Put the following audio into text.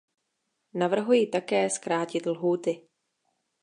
Navrhuji také zkrátit lhůty.